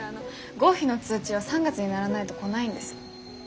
合否の通知は３月にならないと来ないんです。